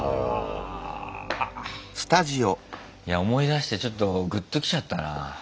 いや思い出してちょっとグッときちゃったな。